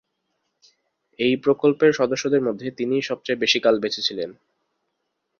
এই প্রকল্পের সদস্যদের মধ্যে তিনিই সবচেয়ে বেশি কাল বেচে ছিলেন।